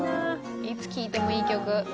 いつ聴いてもいい曲。